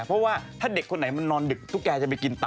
เพราะว่าถ้าเด็กคนไหนมันนอนดึกตุ๊กแกจะไปกินต่อ